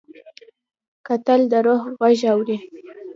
کتل د روح غږ اوري